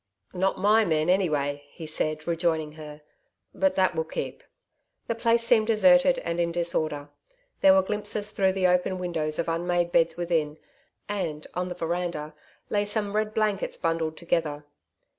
'Not my men, anyway,' he said, rejoining her. 'But that will keep.' The place seemed deserted and in disorder. There were glimpses through the open windows of unmade beds within, and, on the veranda, lay some red blankets bundled together.